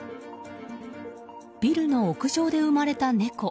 ビルの屋上で生まれた猫。